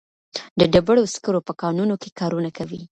د ډبرو سکرو په کانونو کې کارونه کوي.